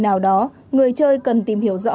nào đó người chơi cần tìm hiểu rõ